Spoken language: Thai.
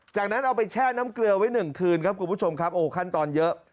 จากนั้นเอาไปแช่น้ำเกลือไว้หนึ่งคืนครับคุณผู้ชมครับโอ้ขั้นตอนเยอะ